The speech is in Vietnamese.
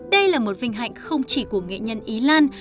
đây là một vinh hạnh không chỉ của nghệ nhân ý lan